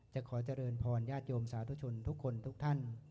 ขอเจริญพรญาติโยมสาธุชนทุกคนทุกท่าน